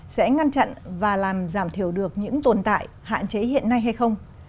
sẽ ngăn chặn và làm giảm thiểu được những tồn tại hạn chế hiện nay hay không